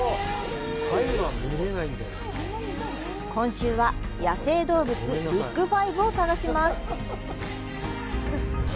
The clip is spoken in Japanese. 今週は、野生動物ビッグ５を探します。